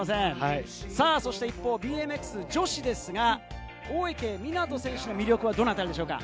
一方、ＢＭＸ女子ですが、大池水杜選手の魅力はどのあたりでしょうか？